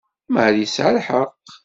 Marie tesɛa lḥeqq.